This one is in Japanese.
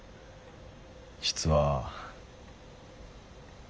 実は。